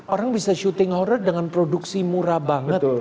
orang bisa syuting horror dengan produksi murah banget